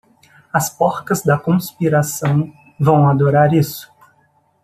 As porcas da conspiração vão adorar isso.